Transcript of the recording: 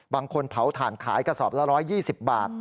เผาถ่านขายกระสอบละ๑๒๐บาท